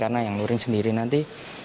karena yang luring sendiri nanti